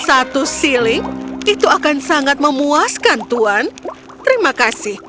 satu siling itu akan sangat memuaskan tuhan terima kasih